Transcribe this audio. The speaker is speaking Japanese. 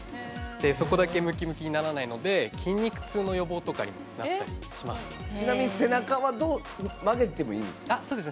そこだけムキムキにならないので筋肉痛の予防にちなみに背中は曲げてもいいんですか？